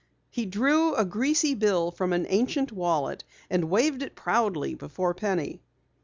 He drew a greasy bill from an ancient wallet and waved it proudly before Penny.